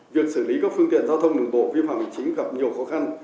việc xử lý các phương tiện giao thông đường bộ vi phạm hình chính gặp nhiều khó khăn